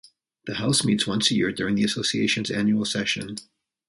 The house meets once a year during the association's annual session.